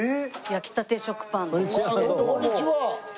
焼きたて食パンだって。